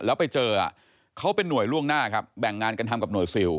แล้วไปเจอเขาเป็นหน่วยล่วงหน้าครับแบ่งงานกันทำกับหน่วยซิล